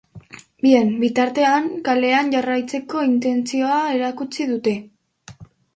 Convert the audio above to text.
Bien bitartean, kalean jarraitzeko intentzioa erakutsi dute.